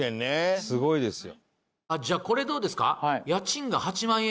すごいですよ。